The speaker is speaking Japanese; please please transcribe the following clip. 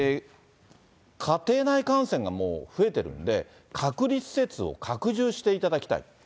家庭内感染がもう増えてるんで、隔離施設を拡充していただきたい。